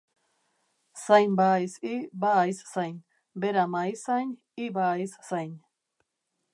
Zain bahaiz hi, bahaiz zain, bera mahaizain, hi bahaiz zain.